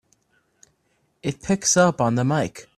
It picks up on the mike!